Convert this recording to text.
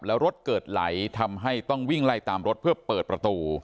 แล้วรถเกิดไหลทำให้ต้องวิ่งไล่ตามรถเพื่อเปิดประตู